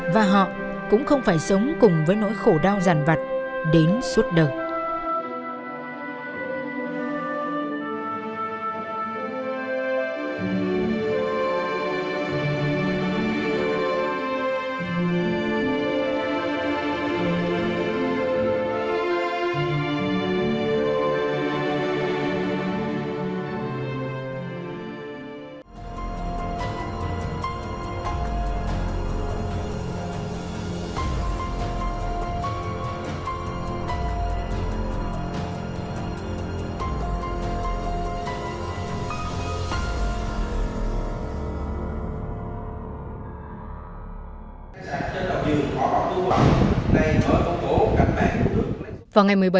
và họ cũng không phải sống cùng với nỗi khổ đau giàn vặt đến suốt đời